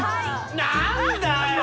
何だよ！